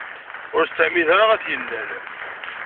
Ur as-ttɛemmid ara ad t-yennal.